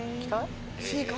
Ｃか？